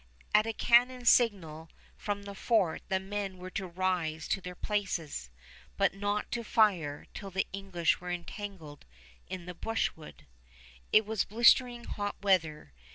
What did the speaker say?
At a cannon signal from the fort the men were to rise to their places, but not to fire till the English were entangled in the brushwood. It was blisteringly hot weather.